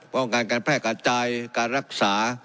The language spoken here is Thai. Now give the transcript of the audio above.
ว่าการการแพทย์กันจ่ายการรักษา